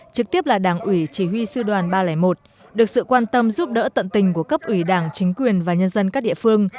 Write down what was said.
trực tiếp là đảng ủy chỉ huy sư đoàn ba trăm linh một được sự quan tâm giúp đỡ tận tình của cấp ủy đảng chính quyền và nhân dân các địa phương